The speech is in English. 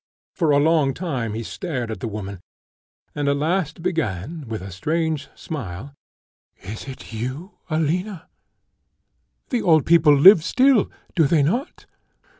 For a long time he stared at the woman, and at last began with a strange smile, "Is it you, Alina? The old people live still, do they not?"